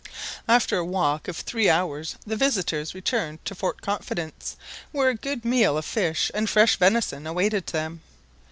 After a walk of three hours the visitors returned to Fort Confidence, where a good meal of fish and fresh venison awaited them.